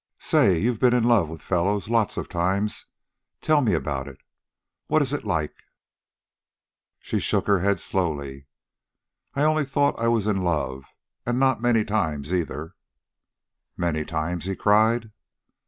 "Say, you've ben in love with fellows, lots of times. Tell me about it. What's it like?" She shook her head slowly. "I only thought I was in love and not many times, either " "Many times!" he cried.